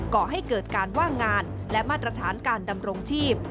ก่อให้เกิดการว่างงานและมาตรฐานการดำรงชีพ